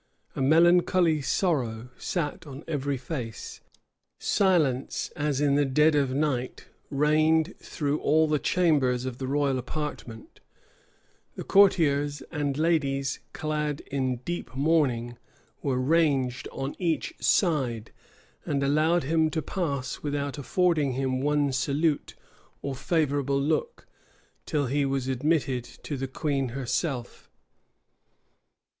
A melancholy sorrow sat on every face: silence, as in the dead of night, reigned through all the chambers of the royal apartment: the courtiers and ladies, clad in deep mourning, were ranged on each side, and allowed him to pass without affording him one salute or favorable look, till he was admitted to the queen herself.